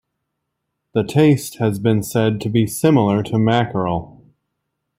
The taste has been said to be similar to mackerel.